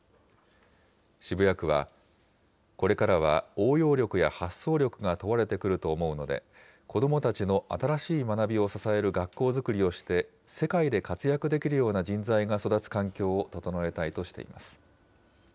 渋谷区は、これからは応用力や発想力が問われてくると思うので、子どもたちの新しい学びを支える学校づくりをして、世界で活躍できるような人材が育つ環境を整えたいとしています。